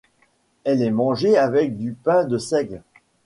Elle est mangée avec du pain de seigle.